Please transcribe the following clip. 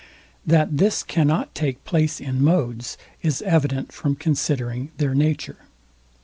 That this cannot take place in modes, is evident from considering their nature.